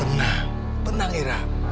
tenang tenang ira